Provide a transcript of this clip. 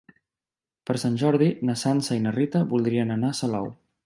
Per Sant Jordi na Sança i na Rita voldrien anar a Salou.